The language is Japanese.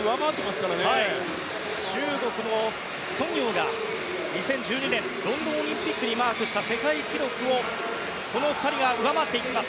中国のソン・ヨウが２０１２年ロンドンオリンピックにマークした世界記録をこの２人が上回っていきます。